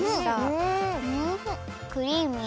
クリーミー。